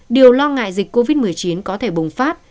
điều lo ngại dịch covid một mươi chín có thể bùng phát